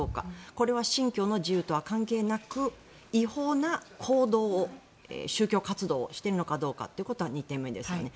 これは信教の自由とは関係なく違法な行動を宗教活動をしているのかどうかというのが２つ目ですね。